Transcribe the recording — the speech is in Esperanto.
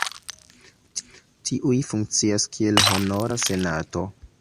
Tiuj funkcias kiel honora senato.